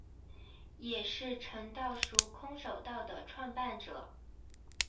也是诚道塾空手道的创办者。